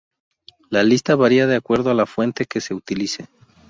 La lista varía de acuerdo a la fuente que se utilice.